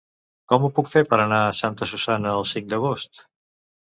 Com ho puc fer per anar a Santa Susanna el cinc d'agost?